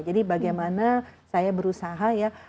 jadi bagaimana saya berusaha ya